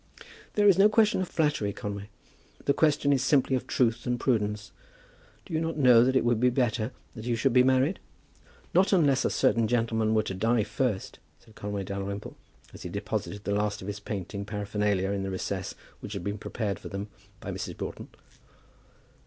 "There is no question of flattery, Conway. The question is simply of truth and prudence. Do you not know that it would be better that you should be married?" "Not unless a certain gentleman were to die first," said Conway Dalrymple, as he deposited the last of his painting paraphernalia in the recess which had been prepared for them by Mrs. Broughton.